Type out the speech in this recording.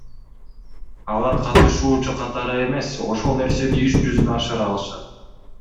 Алар катышуучу катары эмес, ошол нерсени иш жүзүнө ашыра алышат.